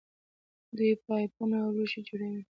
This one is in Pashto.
دوی پایپونه او لوښي جوړوي.